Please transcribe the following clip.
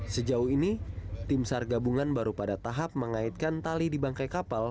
sejauh ini tim sar gabungan baru pada tahap mengaitkan tali di bangkai kapal